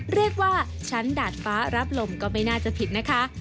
เรียกว่าชั้นดาดฟ้ารับลมก็ไม่น่าจะผิดนะคะ